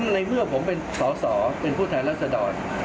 ในเมื่อผมเป็นสอสอเป็นผู้แทนรัศดร